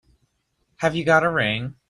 Have you got a ring?